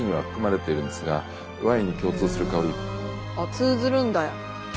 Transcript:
通ずるんだ。